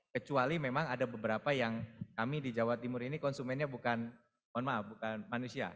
kecuali memang ada beberapa yang kami di jawa timur ini konsumennya bukan mohon maaf bukan manusia